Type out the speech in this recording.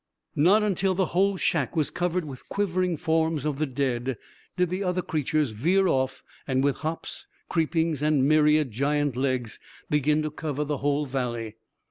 Not until the whole shack was covered with quivering forms of the dead, did the other creatures veer off and with hops, creepings and myriad giant legs, begin to cover the whole valley.